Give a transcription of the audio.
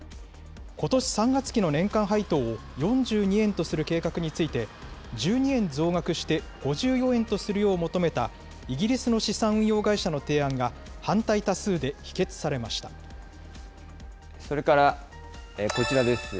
ことし３月期の年間配当を４２円とする計画について、１２円増額して５４円とするよう求めたイギリスの資産運用会社のそれからこちらです。